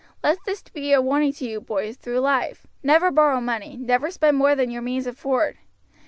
Let this be a warning to you, boys, through life. Never borrow money, never spend more than your means afford.